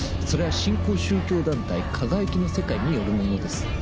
「それは新興宗教団体『かがやきの世界』によるものです」。